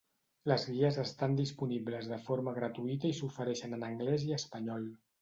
Les guies estan disponibles de forma gratuïta i s'ofereixen en anglès i espanyol.